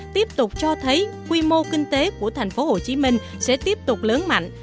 tiếp tục cho thấy quy mô kinh tế của thành phố hồ chí minh sẽ tiếp tục lớn mạnh